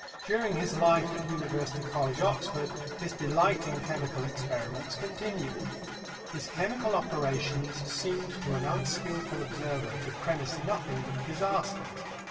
During his life at University College, Oxford, his delight in chemical experiments continued. His chemical operations seemed to an unskilful observer to premise nothing but disasters.